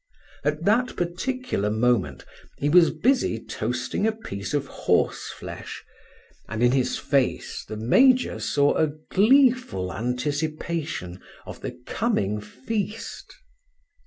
At that particular moment he was busy toasting a piece of horseflesh, and in his face the major saw a gleeful anticipation of the coming feast.